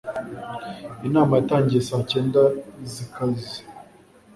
Inama yatangiye saa cyenda zikaze.